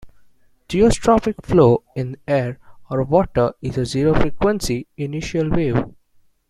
Geostrophic flow in air or water is a zero-frequency inertial wave.